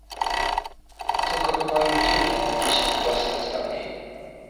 "Tylko po moim trupie mogli się dostać do niej."